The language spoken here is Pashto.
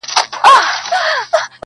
په پښو کي چي د وخت زولنې ستا په نوم پاللې